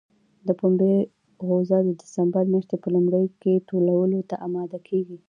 د پنبې غوزه د سپټمبر میاشتې په لومړیو کې ټولولو ته اماده کېږي.